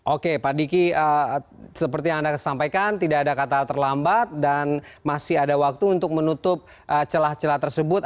oke pak diki seperti yang anda sampaikan tidak ada kata terlambat dan masih ada waktu untuk menutup celah celah tersebut